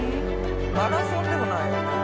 マラソンでもないよね。